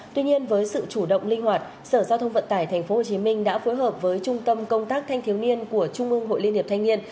tuy nhiên với sự chủ động linh hoạt sở giao thông vận tải tp hcm đã phối hợp với trung tâm công tác thanh thiếu niên của trung ương hội liên hiệp thanh niên